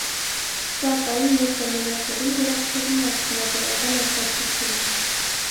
Սակայն, մեր ժամանակներում գերակշռում է արդյունաբերական արտադրությունը։